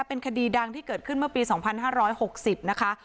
เป็นคดีดังที่เกิดขึ้นเมื่อปีสองพันห้าร้อยหกสิบนะคะ